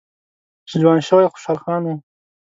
چې ځوان شوی خوشحال خان و